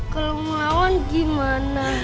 kalau mau gimana